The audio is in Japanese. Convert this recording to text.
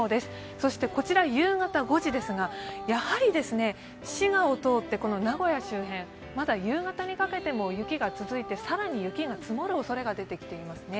そして、夕方５時ですが、やはり滋賀を通って名古屋周辺、まだ夕方にかけても雪が続いて、雪が続くおそれが出ていますね。